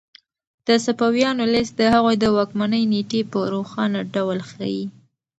د صفویانو لیست د هغوی د واکمنۍ نېټې په روښانه ډول ښيي.